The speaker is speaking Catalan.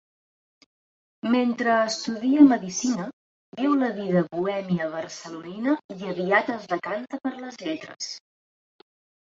Mentre estudia medicina, viu la vida bohèmia barcelonina i aviat es decanta per les lletres.